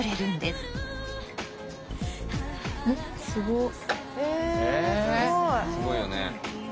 すごいよね。